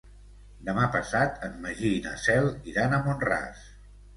Demà passat en Magí i na Cel iran a Mont-ras.